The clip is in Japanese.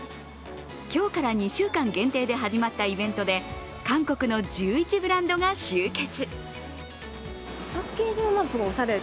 今日から２週間限定で始まったイベントで韓国の１１ブランドが集結。